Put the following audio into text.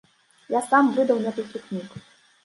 Я сам выдаў некалькі кніг.